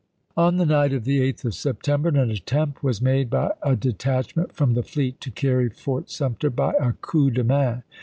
On the night of the 8th of September an attempt was made by a detachment from the fleet to carry Fort Sumter by a coup de main.